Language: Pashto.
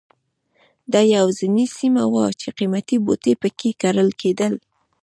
دا یوازینۍ سیمه وه چې قیمتي بوټي په کې کرل کېدل.